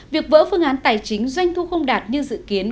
việc vỡ phương án tài chính doanh thu không đạt như dự kiến